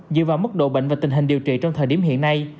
dựa vào mức độ bệnh và tình hình điều trị trong thời điểm hiện nay